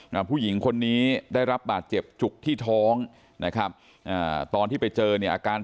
ให้ผู้หญิงคนนี้ได้รับบาดเจ็บจุกที่ท้องอ่าตอนที่ไปเจอเนี้ย